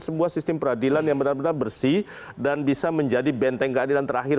sebuah sistem peradilan yang benar benar bersih dan bisa menjadi benteng keadilan terakhir